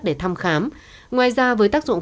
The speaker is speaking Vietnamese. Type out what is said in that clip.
để thăm khám ngoài ra với tác dụng